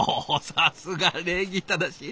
さすが礼儀正しい！